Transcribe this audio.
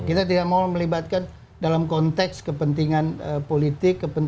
kita tidak mau melibatkan dalam konteks kepentingan politik